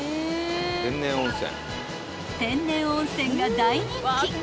［天然温泉が大人気］